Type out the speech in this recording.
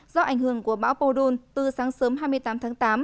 do ảnh hưởng của bão podol từ sáng sớm hai mươi tám tháng tám